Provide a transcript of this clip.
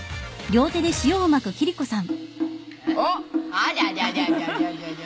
ありゃりゃりゃ。